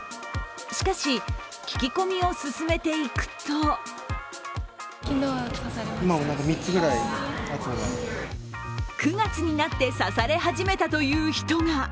しかし、聞き込みを進めていくと９月になって刺され始めたという人が。